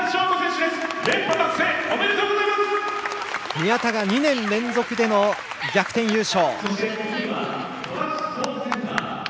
宮田が２年連続での逆転優勝。